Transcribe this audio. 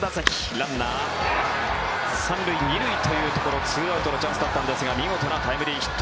ランナー３塁２塁というところ２アウトのチャンスだったんですが見事なタイムリーヒット。